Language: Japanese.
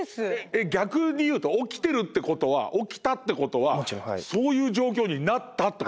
えっ逆に言うと起きてるってことは起きたってことはそういう状況になったってこと。